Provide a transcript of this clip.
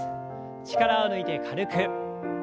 力を抜いて軽く。